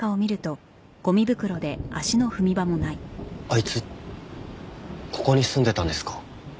あいつここに住んでたんですか？